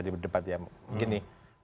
di debat ya gini